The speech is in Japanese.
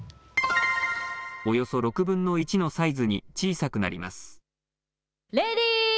およそ６分の１のサイズに小さくなります。